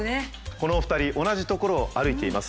このお二人同じ所を歩いています。